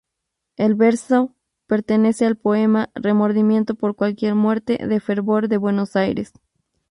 El verso pertenece al poema "Remordimiento por cualquier muerte" de Fervor de Buenos Aires.